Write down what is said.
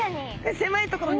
狭い所に。